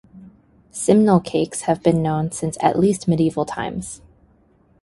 Simnel cakes have been known since at least medieval times.